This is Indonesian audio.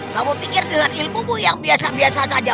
kamu pikir dengan ilmu ilmu yang biasa biasa saja